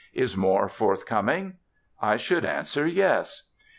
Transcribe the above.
Is more forthcoming? I should answer, yes.